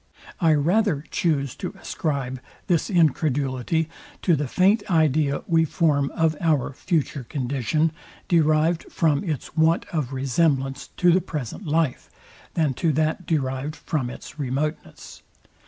I rather choose to ascribe this incredulity to the faint idea we form of our future condition, derived from its want of resemblance to the present life, than to that derived from its remoteness.